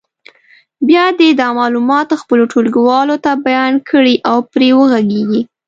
بیا دې دا معلومات خپلو ټولګیوالو ته بیان کړي او پرې وغږېږي.